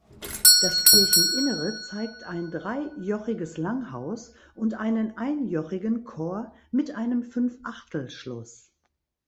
Das Kircheninnere zeigt ein dreijochiges Langhaus und einen einjochigen Chor mit einem Fünfachtelschluss.